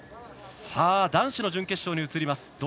男子の準決勝に移ります。